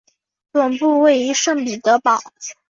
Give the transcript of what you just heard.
总部位于圣彼得堡。